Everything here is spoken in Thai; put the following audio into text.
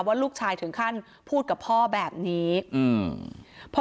ว่าลูกชายถึงขั้นพูดกับพ่อแบบนี้อืม